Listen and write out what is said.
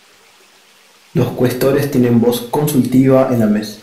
Los Cuestores tienen voz consultiva en la Mesa.